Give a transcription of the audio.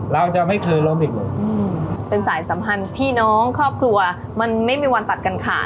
เราจะไม่เคยล้มอีกเหรอเป็นสายสัมพันธ์พี่น้องครอบครัวมันไม่มีวันตัดกันขาด